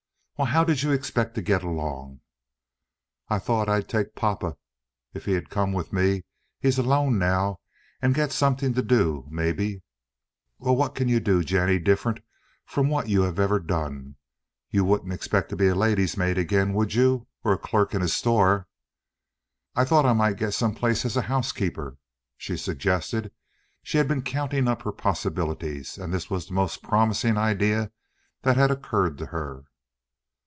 "Well, how did you expect to get along?" "I thought I'd take papa, if he'd come with me—he's alone now—and get something to do, maybe." "Well, what can you do, Jennie, different from what you ever have done? You wouldn't expect to be a lady's maid again, would you? Or clerk in a store?" "I thought I might get some place as a housekeeper," she suggested. She had been counting up her possibilities, and this was the most promising idea that had occurred to her.